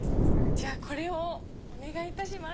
じゃあこれをお願いいたします。